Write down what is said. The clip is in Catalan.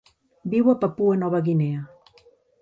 Viu a Papua Nova Guinea.